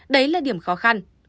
đấy là điểm khó khăn